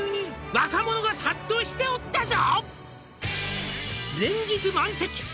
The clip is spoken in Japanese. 「若者が殺到しておったぞ」